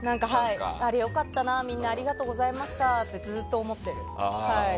あれ良かったな、みんなありがとうございましたってずっと思ってる。